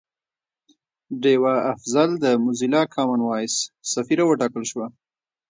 ډیوه افضل د موزیلا کامن وایس سفیره وټاکل شوه